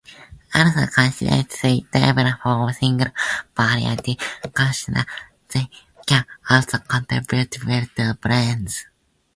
Although considered suitable for single-variety ciders, they can also contribute well to blends.